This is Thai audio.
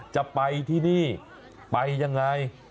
จะไปที่นี่ไปยังไง